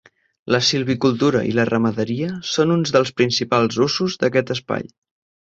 La silvicultura i la ramaderia són uns dels principals usos d’aquest Espai.